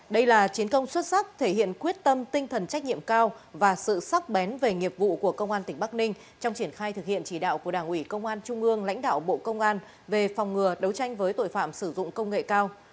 đây là chiến công xuất sắc thể hiện quyết tâm tinh thần trách nhiệm cao và sự sắc bén về nghiệp vụ của công an tỉnh bắc ninh trong triển khai thực hiện chỉ đạo của đảng ủy công an trung ương lãnh đạo bộ công an về phòng ngừa đấu tranh với tội phạm sử dụng công nghệ cao